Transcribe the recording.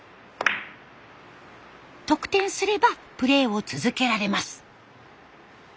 得点すればプレーを続けられます。